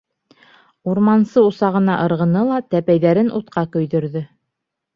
— Урмансы усағына ырғыны ла тәпәйҙәрен утҡа көйҙөрҙө.